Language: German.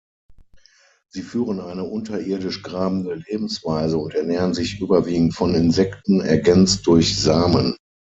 Sie führen eine unterirdisch-grabende Lebensweise und ernähren sich überwiegend von Insekten, ergänzt durch Samen.